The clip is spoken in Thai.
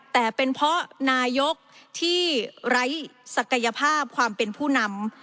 แต่เป็นเพราะนายกที่ไร้ศักยภาพความเป็นผู้นำ